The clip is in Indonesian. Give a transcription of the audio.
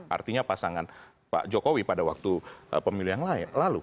artinya pasangan pak jokowi pada waktu pemilihan lalu